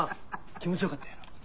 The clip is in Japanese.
気持ちよかったやろ？